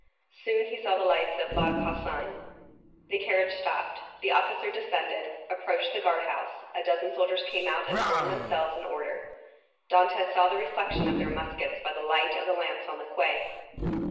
Soon he saw the lights of La Consigne. The carriage stopped, the officer descended, approached the guardhouse, a dozen soldiers came out and formed themselves in order; Dantès saw the reflection of their muskets by the light of the lamps on the quay.